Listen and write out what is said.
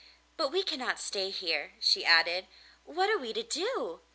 But we cannot stay here,' she added; 'what are we to do?